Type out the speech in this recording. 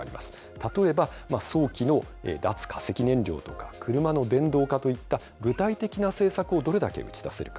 例えば早期の脱化石燃料とか、車の電動化といった具体的な政策をどれだけ打ち出せるか。